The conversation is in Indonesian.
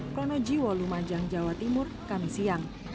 pronojiwo lumajang jawa timur kamisiyang